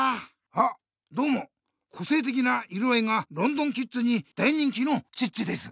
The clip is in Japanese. あどうもこせいてきな色合いがロンドンキッズに大人気のチッチです。